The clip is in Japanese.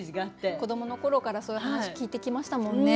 子どもの頃からそういう話聞いてきましたもんね。